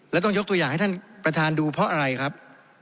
แล้วต้องยกตัวอย่างให้ท่านประธานดูเพราะอะไรครับ